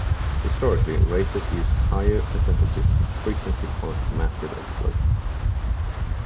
Historically, racers used higher percentages which frequently caused massive explosions.